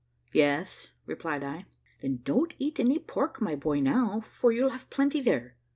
"Yes," replied I. "Then don't eat any pork, my boy, now, for you'll have plenty there.